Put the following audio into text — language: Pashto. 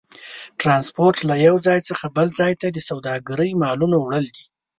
ترانسپورت له یو ځای څخه بل ځای ته د سوداګرۍ مالونو وړل دي.